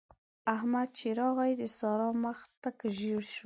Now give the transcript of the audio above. احمد چې راغی؛ د سارا مخ تک ژړ شو.